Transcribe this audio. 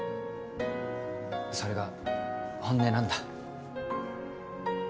それが本音なんだ。